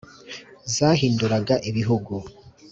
zahinduraga ibihugu,